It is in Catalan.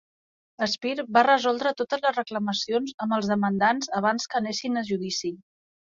Speer va resoldre totes les reclamacions amb els demandants abans que anessin a judici.